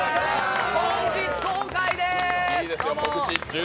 本日公開でーす！